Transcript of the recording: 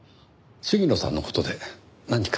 鴫野さんの事で何か。